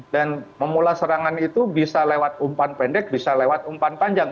dan memula serangan itu bisa lewat umpan pendek bisa lewat umpan panjang